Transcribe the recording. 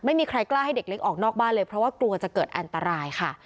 ไม่มีใครกล้าให้เด็กเล็กออกนอกบ้านเลยเพราะว่ากลัวจะเกิดอันตรายค่ะ